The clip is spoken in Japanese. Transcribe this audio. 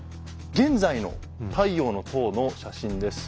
現在の「太陽の塔」の写真です。